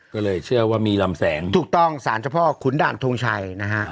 ก็เลยเชื่อว่ามีลำแสงถูกต้องสารเจ้าพ่อขุนด่านทงชัยนะฮะ